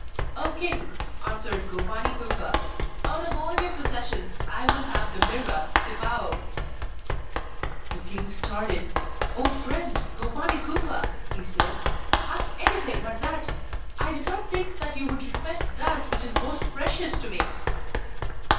'O king!' answered Gopani Kufa, 'out of all your possessions I will have the Mirror, Sipao.' The king started. 'O friend, Gopani Kufa,' he said, 'ask anything but that! I did not think that you would request that which is most precious to me.